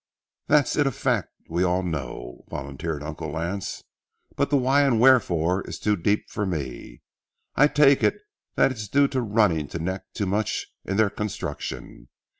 "That it's a fact, we all know," volunteered Uncle Lance, "but the why and wherefore is too deep for me. I take it that it's due to running to neck too much in their construction.